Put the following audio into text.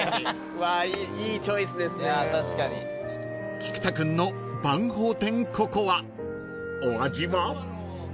［菊田君のバンホーテンココアお味は？］